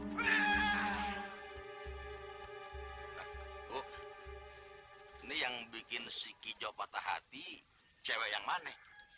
ini yang bikin si kijo patah hati cewek yang mana